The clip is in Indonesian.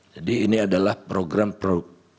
jadi ini adalah program pro